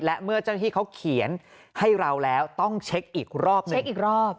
และเมื่อที่เขาเขียนให้เราแล้วต้องเช็คอีกรอบหนึ่ง